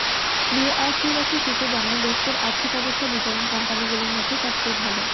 বিইআরসির একটি সূত্র জানায়, ডেসকোর আর্থিক অবস্থা বিতরণ কোম্পানিগুলোর মধ্যে সবচেয়ে ভালো।